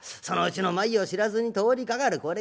そのうちの前を知らずに通りかかる。